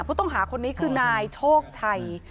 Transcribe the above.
ผู้ต้องหาคนนี้คือนายโชคชัย